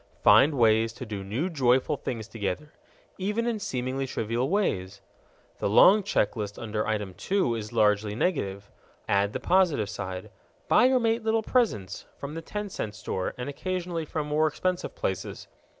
Find ways to do new joyful things together_, even in seemingly trivial ways. The long check list under item 2 is largely negative. Add the positive side. Buy your mate little presents from the ten cent store and occasionally from more expensive places.